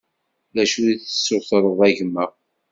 D acu i tessutureḍ a gma?